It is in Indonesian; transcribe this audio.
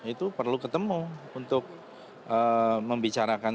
itu perlu ketemu untuk membicarakan